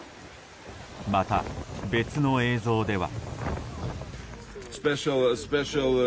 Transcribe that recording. また、別の映像では。